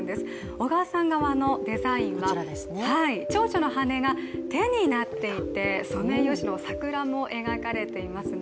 小川さん側のデザインはちょうちょうの羽が手になっていて、ソメイヨシノ桜も描かれていますね。